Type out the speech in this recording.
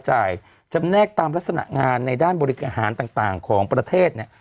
จำแนกตามลักษณะงานในด้านบริหารต่างของประเทศเนี่ย